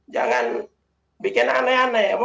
jangan bikin aneh aneh